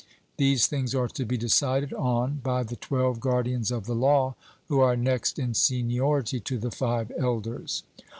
These things are to be decided on by the twelve guardians of the law who are next in seniority to the five elders.